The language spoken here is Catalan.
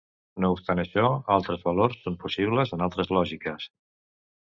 No obstant això, altres valors són possibles en altres lògiques.